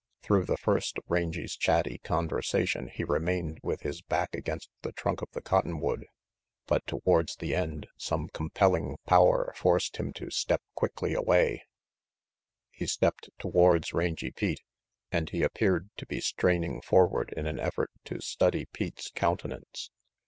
Through the first of Rangy's chatty con versation he remained with his back against the trunk of the cottonwood, but towards the end some compelling power forced him to step quickly away. 88 RANGY PETE He stepped towards Rangy Pete, and he appeared to be straining forward in an effort to study Pete's countenance.